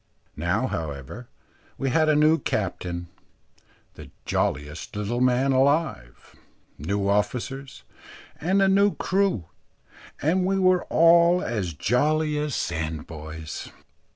Now, however, we had a new captain, the jolliest little man alive; new officers, and a new crew, and we were all as jolly as sandboys.